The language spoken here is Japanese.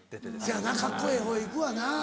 せやなカッコええ方へいくわな。